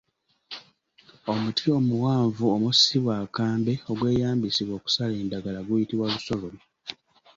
Omuti omuwanvu omussibwa akambe ogweyambisibwa okusala endagala guyitibwa Lusolobyo.